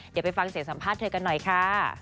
เดี๋ยวไปฟังเสียงสัมภาษณ์เธอกันหน่อยค่ะ